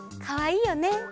かわいいよね。